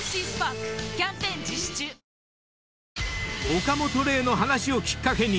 ［岡本玲の話をきっかけに］